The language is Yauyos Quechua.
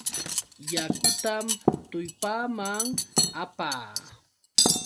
Yakutam tullpaaman apaa.